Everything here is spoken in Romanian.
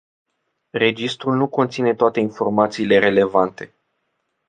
Registrul nu conține toate informațiile relevante.